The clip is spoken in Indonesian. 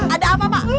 ada apa pak